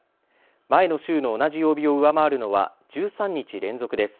前の週の同じ曜日を上回るのは１３日連続です。